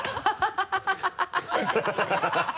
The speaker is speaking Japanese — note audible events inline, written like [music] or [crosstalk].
ハハハ [laughs]